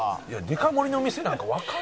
「デカ盛りの店なんか」